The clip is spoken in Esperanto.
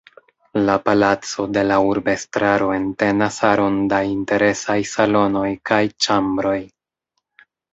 La palaco de la urbestraro entenas aron da interesaj salonoj kaj ĉambroj.